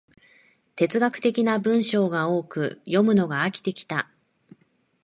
哲学的な文章が多く、読むのが飽きてきた